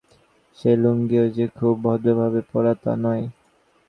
সেই লুঙ্গিও যে খুব ভদ্রভাবে পরা, তা নয়।